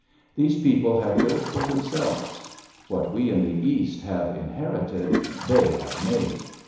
These people have built for themselves. What we in the East have inherited, they have made.